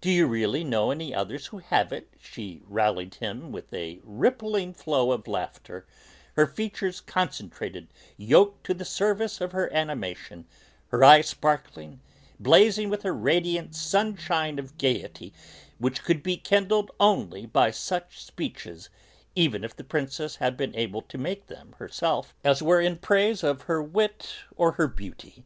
Do you really know any others who have it?" she rallied him, with a rippling flow of laughter, her features concentrated, yoked to the service of her animation, her eyes sparkling, blazing with a radiant sunshine of gaiety which could be kindled only by such speeches even if the Princess had to make them herself as were in praise of her wit or of her beauty.